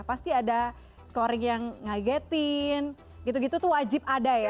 pasti ada scoring yang ngagetin gitu gitu tuh wajib ada ya